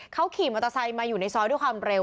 เขาขี่มอเตอร์ไซค์มาอยู่ในซอยด้วยความเร็ว